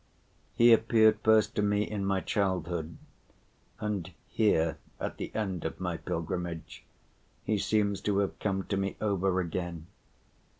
He appeared first to me in my childhood, and here, at the end of my pilgrimage, he seems to have come to me over again.